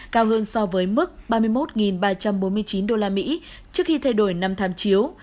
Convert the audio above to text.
cao hơn so với mức ba mươi một ba trăm bốn mươi chín usd trước khi thay đổi năm tham chiếu